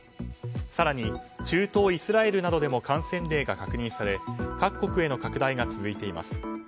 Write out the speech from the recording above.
更に、中東イスラエルなどでも感染例が確認され各国への拡大が続いています。